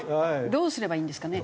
どうすればいいんですかね？